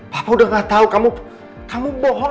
papa udah gak tau kamu bohong